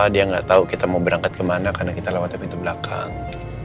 dia gak tau kita mau berangkat kemana karena kita lewat dari pintu belakang